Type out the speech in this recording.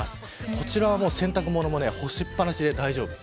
こちらも洗濯物は干しっぱなし大丈夫。